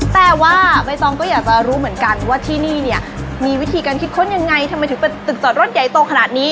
แต่ว่าใบตองก็อยากจะรู้เหมือนกันว่าที่นี่เนี่ยมีวิธีการคิดค้นยังไงทำไมถึงเป็นตึกจอดรถใหญ่โตขนาดนี้